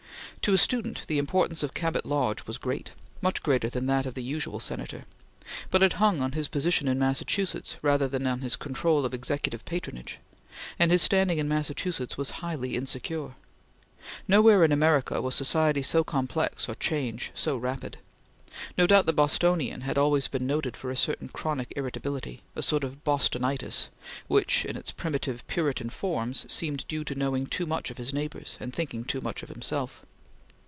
To a student, the importance of Cabot Lodge was great much greater than that of the usual Senator but it hung on his position in Massachusetts rather than on his control of Executive patronage; and his standing in Massachusetts was highly insecure. Nowhere in America was society so complex or change so rapid. No doubt the Bostonian had always been noted for a certain chronic irritability a sort of Bostonitis which, in its primitive Puritan forms, seemed due to knowing too much of his neighbors, and thinking too much of himself.